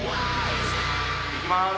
いきます。